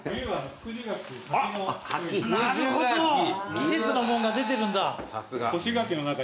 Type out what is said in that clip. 季節のもんが出てるんだ。